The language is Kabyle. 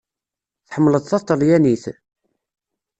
Tḥemmleḍ taṭelyanit?